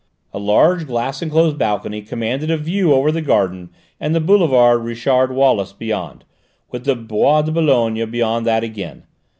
A large glass enclosed balcony commanded a view over the garden and the boulevard Richard Wallace beyond, with the Bois de Boulogne beyond that again.